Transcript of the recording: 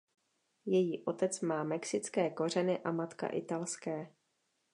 Její otec má mexické kořeny a matka italské.